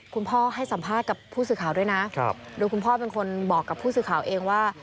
คุณพ่อให้สัมภาษณ์กับผู้สื่อข่าวด้วยนะโดยคุณพ่อเป็นคนบอกกับผู้สื่อข่าวเองว่า